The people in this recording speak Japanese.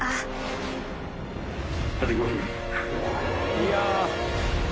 いや！